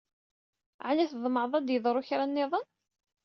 Ɛni tḍemɛed ad yeḍru kra niḍen?